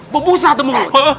bumbusa tuh mau